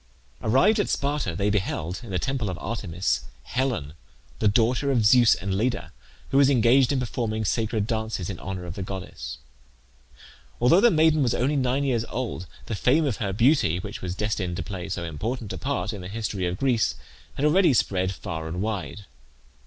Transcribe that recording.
Arrived at Sparta they beheld, in the temple of Artemis, Helen, the daughter of Zeus and Leda, who was engaged in performing sacred dances in honour of the goddess. Although the maiden was only nine years old the fame of her beauty, which was destined to play so important a part in the history of Greece, had already spread far and wide.